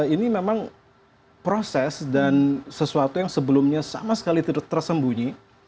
ini memang proses dan sesuatu yang sebelumnya sama sekali tidak tersembunyi